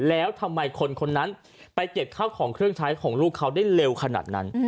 แล้วทำไมคนคนนั้นไปเก็บข้าวของเครื่องใช้ของลูกเขาได้เร็วขนาดนั้น